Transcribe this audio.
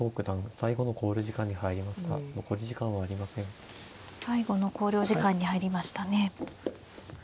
最後の考慮時間に入りましたね。